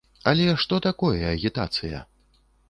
Але што такое агітацыя?